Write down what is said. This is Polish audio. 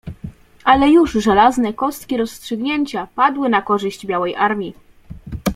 Ale już żelazne kostki rozstrzygnięcia padły na korzyść białej armii.